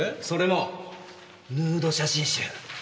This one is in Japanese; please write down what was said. それもヌード写真集。